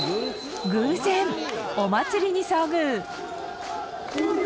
偶然お祭りに遭遇。